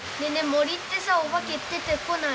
森ってさお化け出てこない？